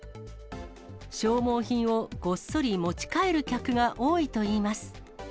消耗品をごっそり持ち帰る客が多いといいます。